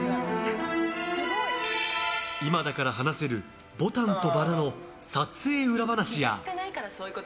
今だから話せる「牡丹と薔薇」の撮影裏話や。